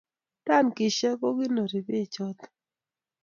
Tankishek ko konori peek chotok